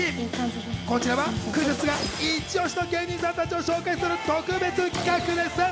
こちらはクイズッスがイチオシの芸人さんたちを紹介する特別企画です。